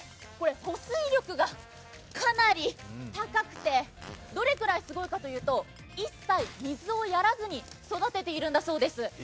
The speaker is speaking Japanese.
保水力がかなり高くてどのくらいすごいかというと一切水をやらずに育てているんだそうです。